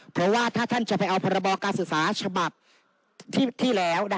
เพราะว่าถ้าท่านจะไปเอาพรบการศึกษาฉบับที่แล้ว